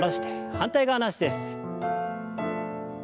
反対側の脚です。